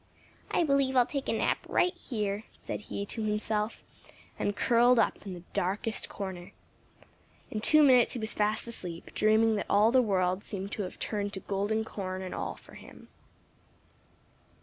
"I believe I'll take a nap right here," said he to himself, and curled up in the darkest corner. In two minutes he was fast asleep, dreaming that all the world seemed to have turned to golden corn and all for him.